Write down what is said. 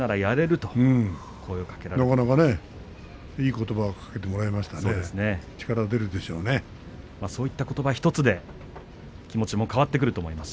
なかなかいいことばをかけてもらったんでそういうことば１つで気持ちが変わってくると思います。